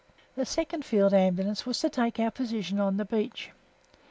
The 2nd Field Ambulance was to take our position on the beach.